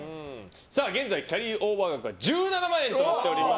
現在キャリーオーバー額は１７万円となっております。